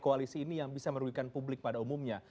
koalisi ini yang bisa merugikan publik pada umumnya